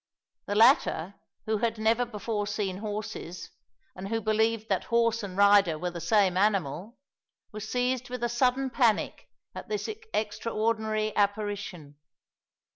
The latter, who had never before seen horses, and who believed that horse and rider were the same animal, were seized with a sudden panic at this extraordinary apparition.